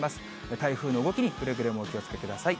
台風の動きにくれぐれもお気をつけください。